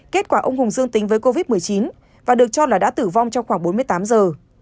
kết quả ông hùng dương tính với covid một mươi chín và được cho là đã tử vong trong khoảng bốn mươi tám giờ